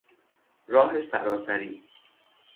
راه سراسری